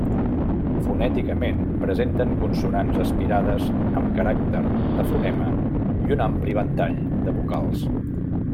Fonèticament, presenten consonants aspirades amb caràcter de fonema i un ampli ventall de vocals.